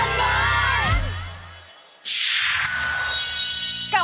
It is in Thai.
ดับบ้านสุดสนบัน